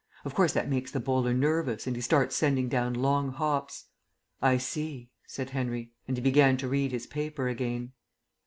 Of course that makes the bowler nervous and he starts sending down long hops." "I see," said Henry; and he began to read his paper again.